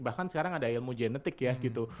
bahkan sekarang ada ilmu genetik ya gitu